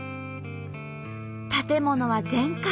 建物は全壊。